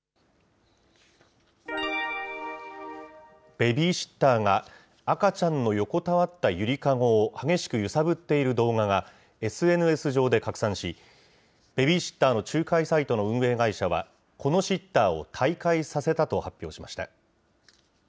ベビーシッターが赤ちゃんが横たわった揺りかごを、激しく揺さぶっている動画が、ＳＮＳ上で拡散し、ベビーシッターの仲介会社の運営会社は、このシッターを退会させたと発表しました。